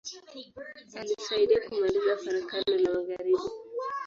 Alisaidia kumaliza Farakano la magharibi.